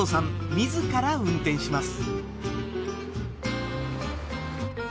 自ら運転します